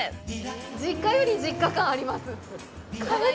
実家より実家感あります。